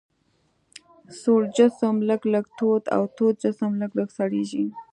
سوړ جسم لږ لږ تود او تود جسم لږ لږ سړیږي.